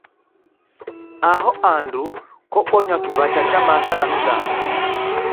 Aho andu kobonywa kiw'acha cha maza ra mizango.